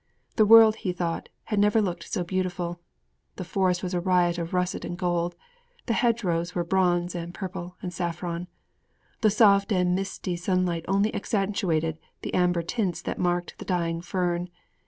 The world, he thought, had never looked so beautiful. The forest was a riot of russet and gold. The hedge rows were bronze and purple and saffron. The soft and misty sunlight only accentuated the amber tints that marked the dying fern.